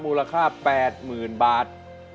มูลค่า๘๐๐๐บาท